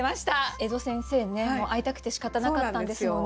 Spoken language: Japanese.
江戸先生ねもう会いたくてしかたなかったんですもんね。